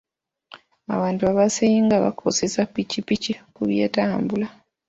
Abantu abasinga bakozesa ppikipiki ku by'entambula.